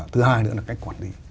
thứ hai nữa là cách quản lý